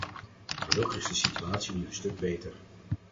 Gelukkig is de situatie nu een stuk beter.